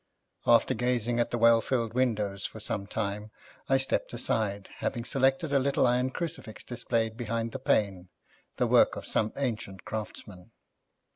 After gazing at the well filled windows for some time, I stepped aside, having selected a little iron crucifix displayed behind the pane; the work of some ancient craftsman.